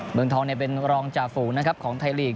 เมืองทองเป็นรองจาฝูของไทยลีก